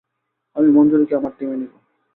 আমি মঞ্জুরীকে আমার টিমে নিবো।